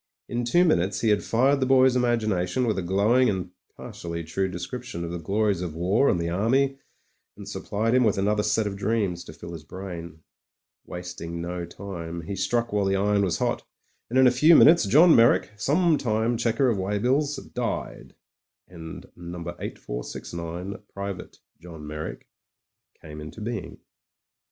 In two minutes he had fired the boy's imagination with a glowing and partially true description of the glories of war and the army, and supplied him with another set of dreams to fill his brain. Wasting no time, he struck while the iron was hot, and in a few minutes Johii Meyrick, sometime checker of weigh bills, died, and No. 8469, Private John Meyrick, came into being. ...